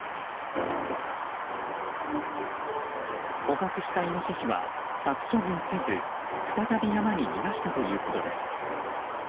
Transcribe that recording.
捕獲したイノシシは殺処分せず再び山に逃がしたということです。